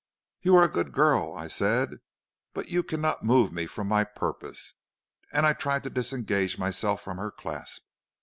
"'You are a good girl,' I said, 'but you cannot move me from my purpose.' And I tried to disengage myself from her clasp.